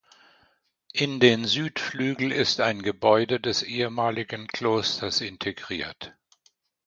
In den Südflügel ist ein Gebäude des ehemaligen Klosters integriert.